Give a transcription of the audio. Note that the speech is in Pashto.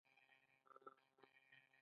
پښتونولي د یووالي درس ورکوي.